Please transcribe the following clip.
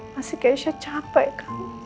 masih kesha capek